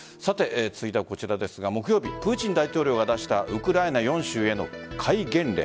続いてはこちらですが、木曜日プーチン大統領が出したウクライナ４州への戒厳令。